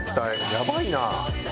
やばいな！